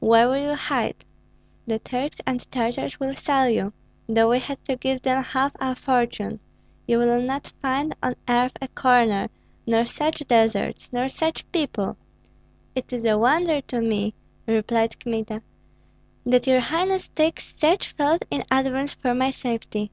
Where will you hide? The Turks and Tartars will sell you, though we had to give them half our fortune. You will not find on earth a corner, nor such deserts, nor such people " "It is a wonder to me," replied Kmita, "that your highness takes such thought in advance for my safety.